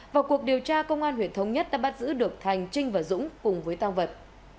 vào cuộc điều tra công an huyện thống nhất đã bắt giữ được thành trinh và dũng cùng với tăng vật